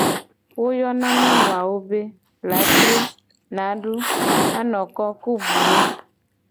Wo yona nyonu awo be : latre, nadu, anoko, ku buwo.